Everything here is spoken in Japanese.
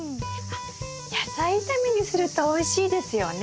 野菜炒めにするとおいしいですよね。